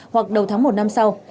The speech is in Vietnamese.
hoặc đầu tháng một năm sau